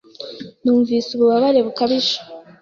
Numvise ububabare bukabije .